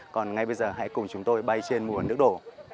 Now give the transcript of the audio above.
còn ngay bây giờ hãy cùng chúng tôi bay trên mùa nước đổ